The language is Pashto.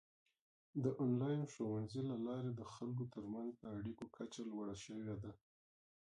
د آنلاین ښوونې له لارې د خلکو ترمنځ د اړیکو کچه لوړه شوې ده.